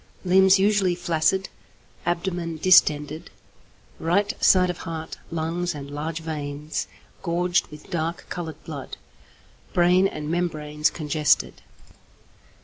limbs usually flaccid, abdomen distended; right side of heart, lungs, and large veins, gorged with dark coloured blood. Brain and membranes congested.